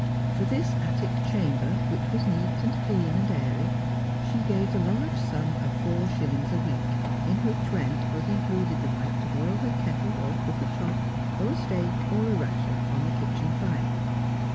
For this attic chamber, which was neat and clean and airy, she gave the large sum of four shillings a week, in which rent was in cluded the right to boil her kettle or cook a chop, or a steak, or a rasher on the kitchen fire.